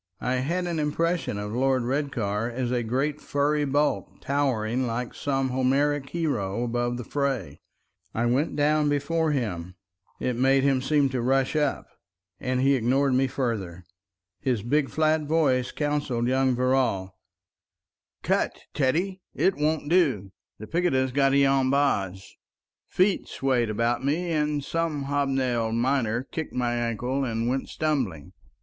I had an impression of Lord Redcar as a great furry bulk, towering like some Homeric hero above the fray. I went down before him—it made him seem to rush up—and he ignored me further. His big flat voice counseled young Verrall— "Cut, Teddy! It won't do. The picketa's got i'on bahs. ..." Feet swayed about me, and some hobnailed miner kicked my ankle and went stumbling.